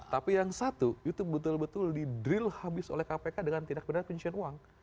tapi yang satu itu betul betul didrill habis oleh kpk dengan tindak benar penyusian uang